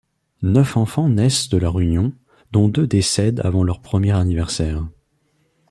Neuf enfants naissent de leur union, dont deux décèdent avant leur premier anniversaire.